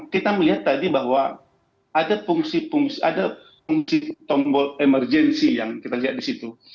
kita melihat tadi bahwa ada fungsi tombol emergensi yang kita lihat di situ